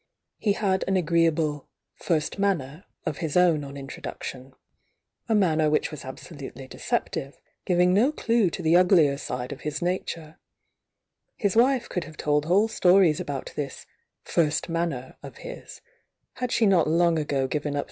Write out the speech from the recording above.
He had an agreeable "first manner" of his own onintroduction, a mumer which was absolutely deceptive, givmg no clue to the uglier side of his nar iS^ucf ^^® could have told whole stories about this "first manner" of his, had she not long ago given v?H.!